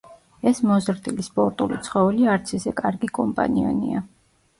ეს მოზრდილი, სპორტული ცხოველი არც ისე კარგი კომპანიონია.